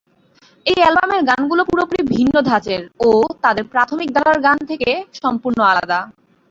এই অ্যালবামের গানগুলো পুরোপুরি ভিন্ন ধাঁচের ও তাদের প্রাথমিক ধারার গান থেকে সম্পূর্ণ আলাদা।